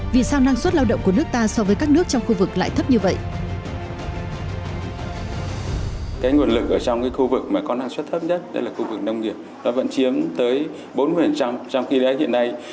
vì sao năng suất lao động của nước ta so với các nước trong khu vực lại thấp như vậy